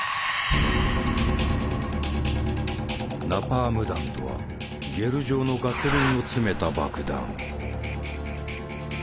ナパーム弾とはゲル状のガソリンを詰めた爆弾。